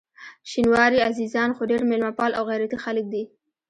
شینواري عزیزان خو ډېر میلمه پال او غیرتي خلک دي.